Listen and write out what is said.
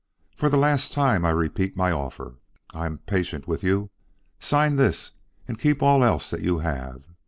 For the last time, I repeat my offer; I am patient with you. Sign this, and keep all else that you have.